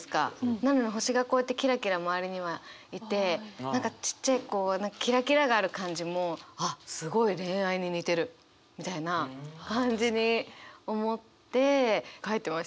なのに星がこうやってキラキラ周りにはいて何かちっちゃいこうキラキラがある感じもあっすごい恋愛に似てるみたいな感じに思って書いてましたね。